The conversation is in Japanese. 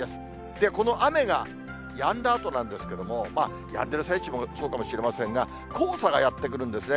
で、この雨がやんだあとなんですけれども、やんでる最中もそうかもしれませんが、黄砂がやって来るんですね。